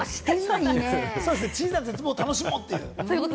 小さな絶望を楽しもうというね。